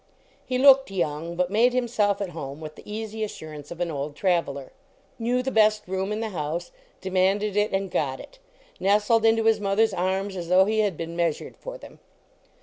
He looked young, but made himself at home with the easy assurance of an old trav eler. Knew the best room in the house, demanded it, and got it. Nestled into his mother s arms as though he had been meas ured for them.